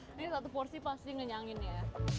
ini satu porsi pasti ngenyangin ya